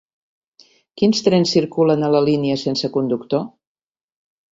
Quins trens circulen a la línia sense conductor?